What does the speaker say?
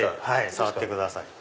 触ってください。